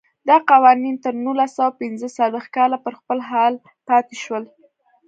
دا قوانین تر نولس سوه پنځه څلوېښت کاله پر خپل حال پاتې شول.